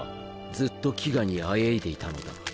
ずっと飢餓に喘いでいたのだ。